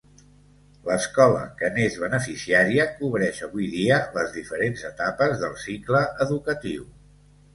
L'escola que n'és beneficiària cobreix avui dia les diferents etapes del cicle educatiu.